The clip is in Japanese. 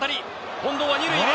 近藤は２塁へ。